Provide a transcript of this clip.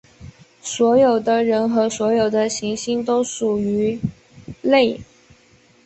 所有的人和所有的行星都属于类。